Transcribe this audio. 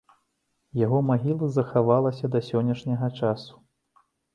Яго магіла захавалася да сённяшняга часу.